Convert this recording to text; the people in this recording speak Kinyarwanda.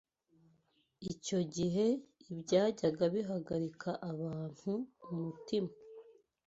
Icyo gihe ibyajyaga bihagarika abantu umutima